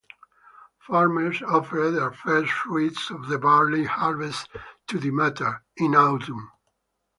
Farmers offered their first-fruits of the barley harvest to Demeter in autumn.